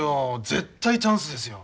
絶対チャンスですよ。